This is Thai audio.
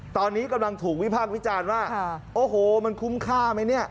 ตอนนี้กำลังถูกวิพากษ์วิจารณ์ว่าโอ้โหมันคุ้มค่าไหมเนี่ย